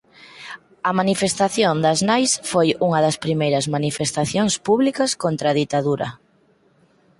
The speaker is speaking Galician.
A manifestación das Nais foi unha das primeiras manifestacións públicas contra a ditadura.